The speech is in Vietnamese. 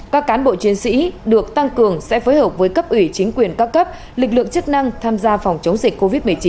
các cán bộ chiến sĩ được tăng cường sẽ phối hợp với cấp ủy chính quyền các cấp lực lượng chức năng tham gia phòng chống dịch covid một mươi chín